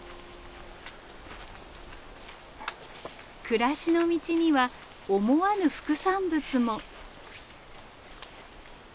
暮らしの道には思わぬ副産物も。